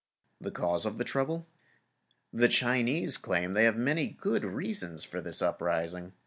The cause of the trouble: The Chinese claimed that they had many good reasons for this uprising.